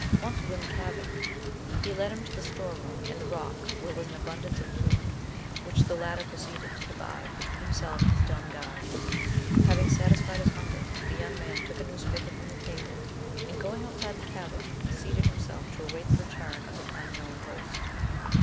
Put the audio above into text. Once within the cabin he led him to the store room in the rock where was an abundance of food, which the latter proceeded to divide between himself and his dumb guide. Having satisfied his hunger, the young man took a newspaper from the table, and, going outside the cabin, seated himself to await the return of his unknown host.